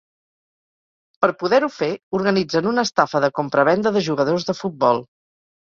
Per poder-ho fer, organitzen una estafa de compra-venda de jugadors de futbol.